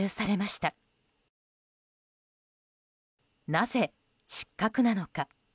なぜ失格なのか。